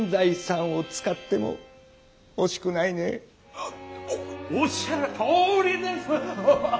あおおっしゃるとおりですッ！